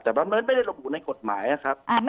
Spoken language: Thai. แต่มันไม่ได้ระบุในกฎหมายนะครับ